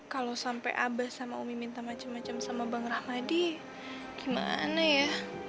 kalau sampai abah sama umi minta macam macam sama bang rahmadi gimana ya